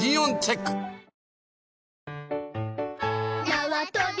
なわとび